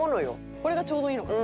これがちょうどいいのかな？